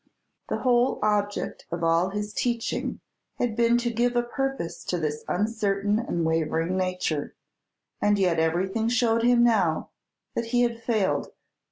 The whole object of all his teaching had been to give a purpose to this uncertain and wavering nature, and yet everything showed him now that he had failed.